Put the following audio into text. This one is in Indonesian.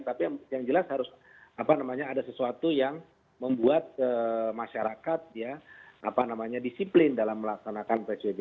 tapi yang jelas harus apa namanya ada sesuatu yang membuat masyarakat ya apa namanya disiplin dalam melaksanakan psbb